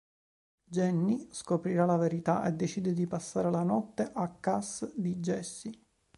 Jenny scoprirà la verità e decide di passare la notte a cas di Jesse.